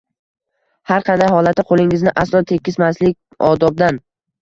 Har qanday holatda qo‘lingizni aslo tekkizmaslik odobdan.